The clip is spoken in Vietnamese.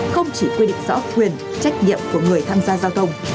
không chỉ quy định rõ quyền trách nhiệm của người tham gia giao thông